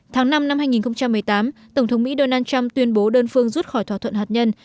tháng năm năm hai nghìn một mươi tám tổng thống mỹ donald trump tuyên bố đơn phương rút khỏi thỏa thuận hạt nhân